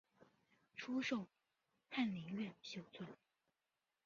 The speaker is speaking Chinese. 初授翰林院修撰。